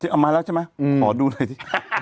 เอามาแล้วใช่มะขอดูหน่อย